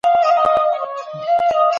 احمد په خپل موبایل کي یو نوی عکس اخیستی و.